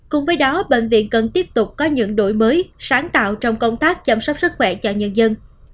cùng với đó bệnh viện cần tiếp tục có những đổi mới sáng tạo trong công tác chăm sóc sức khỏe cho nhân dân